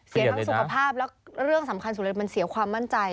ทั้งสุขภาพแล้วเรื่องสำคัญสุดเลยมันเสียความมั่นใจ